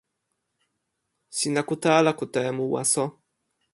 sina kute ala kute e mu waso?